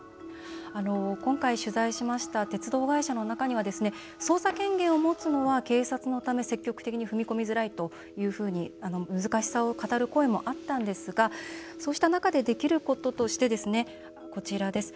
今回、取材しました鉄道会社の中にはですね捜査権限を持つのは警察のため積極的に踏み込みづらいというふうに難しさを語る声もあったんですがそうした中で、できることとしてこちらです。